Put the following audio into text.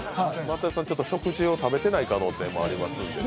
食事を食べてない可能性ありますんでね。